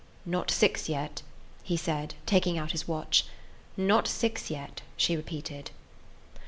"Not six yet," he said, taking out his watch. "Not six yet," she repeated.